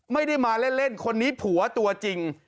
ไม่ได้มาเล่นคนนี้ผัวตัวจริง